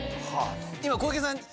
今小池さん？